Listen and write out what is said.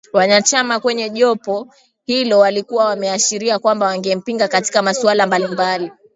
Wanachama kwenye jopo hilo walikuwa wameashiria kwamba wangempinga katika masuala mbali mbali